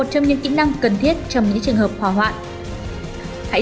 sợ vĩnh biệt mọi người